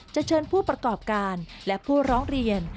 เชิญผู้ประกอบการและผู้ร้องเรียน